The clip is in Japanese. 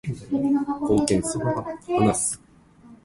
私の一番上の兄が父の名代としてその会合に出席した。